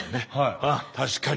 確かに。